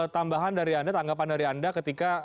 tambahan dari anda tanggapan dari anda ketika